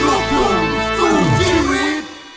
ลูกคุมสู่ทีวี